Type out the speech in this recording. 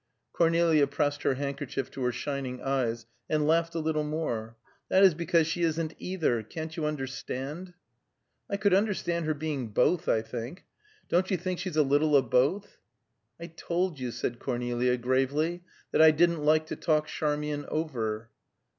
Cornelia pressed her handkerchief to her shining eyes, and laughed a little more. "That is because she isn't either. Can't you understand?" "I could understand her being both, I think. Don't you think she's a little of both?" "I told you," said Cornelia gravely, "that I didn't like to talk Charmian over."